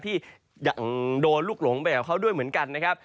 ที่ยังโดนลูกหลงไปกับเขาด้วยเหมือนกันนะครับ